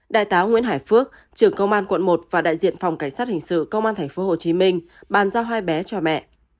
đại tá nguyễn hải phước trưởng công an quận một và đại diện phòng cảnh sát hình sự công an tp hcm bàn giao hai bé cho mẹ